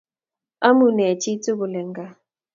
Amunee chi tugul eng' kaa?